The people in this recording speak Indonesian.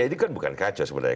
ini kan bukan kacau sebenarnya